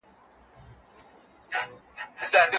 هیوادونه په ګډه کار کوي.